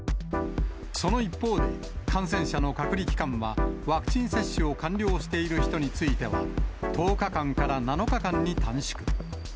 その一方で、感染者の隔離期間は、ワクチン接種を完了している人については１０日間から７日間に短縮。